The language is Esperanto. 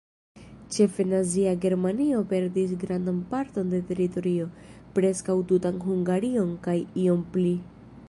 Ĉefe Nazia Germanio perdis grandan parton de teritorio, preskaŭ tutan Hungarion kaj iom pli.